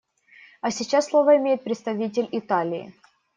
А сейчас слово имеет представитель Италии.